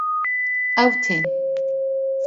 Ew tên